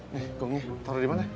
nih gongnya taruh dimana